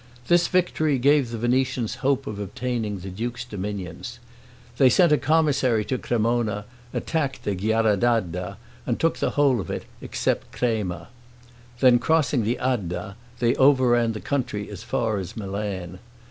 This victory gave the Venetians hope of obtaining the duke's dominions. They sent a commissary to Cremona, attacked the Ghiaradadda, and took the whole of it, except Crema. Then crossing the Adda, they overran the country as far as Milan.